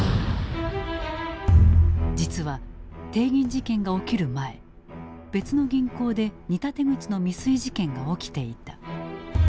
実は帝銀事件が起きる前別の銀行で似た手口の未遂事件が起きていた。